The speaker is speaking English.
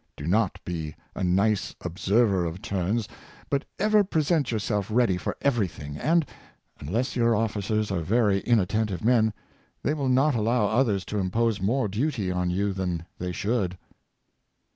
Do not be a nice observer of turns, but ever present yourself ready for everything, and, unless your officers are very inattentive men, they will not allow others to impose more duty on you than they should."